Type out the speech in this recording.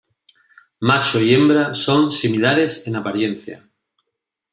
Macho y hembra son similares en apariencia.